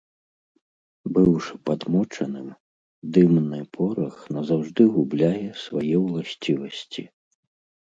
Быўшы падмочаным, дымны порах назаўжды губляе свае ўласцівасці.